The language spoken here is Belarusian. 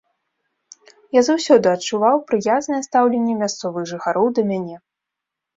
Я заўсёды адчуваў прыязнае стаўленне мясцовых жыхароў да мяне.